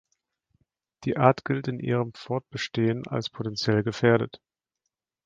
Die Art gilt in ihrem Fortbestehen als „potenziell gefährdet“.